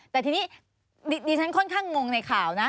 แต่ทีนี้ดิฉันค่อนข้างงงในข่าวนะ